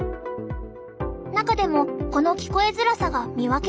中でもこの聞こえづらさが見分けるポイント。